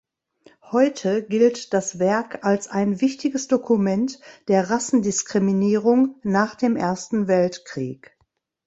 Heute gilt das Werk als ein wichtiges Dokument der Rassendiskriminierung nach dem Ersten Weltkrieg.